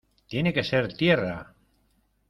tiene que ser tierra.